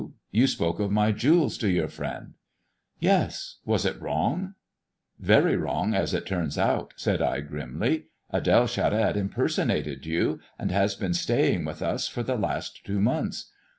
You spoke of my jewels to your friend ?"" Yes. Was it wrong 1 " "Very wrong, as it turns out," said I grimly. "Ad^e Charette impersonated yon, and has been staying with us for the last two months.